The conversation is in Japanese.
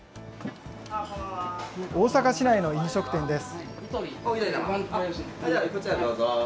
大阪市内の飲食店です。